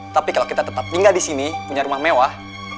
tapi kalau kita tetap tinggal di sini punya rumah mewah